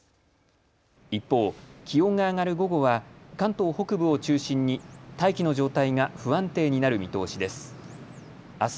一方、気温が上がる午後は関東北部を中心に大気の状態が不安定になる見通しです。